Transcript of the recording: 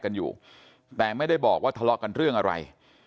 ตรของหอพักที่อยู่ในเหตุการณ์เมื่อวานนี้ตอนค่ำบอกให้ช่วยเรียกตำรวจให้หน่อย